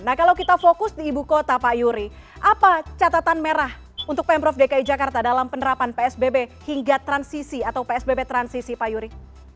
nah kalau kita fokus di ibu kota pak yuri apa catatan merah untuk pemprov dki jakarta dalam penerapan psbb hingga transisi atau psbb transisi pak yuri